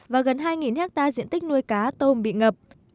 và gần hai hectare diện tích nuôi cá tôm bị ngập